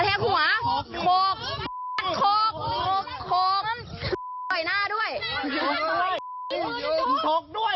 มึงโทกอย่างเดียวเลย